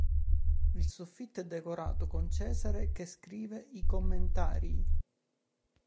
Il soffitto è decorato con "Cesare che scrive i Commentarii".